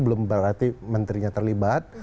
belum berarti menterinya terlibat